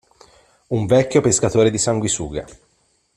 Un vecchio pescatore di sanguisughe.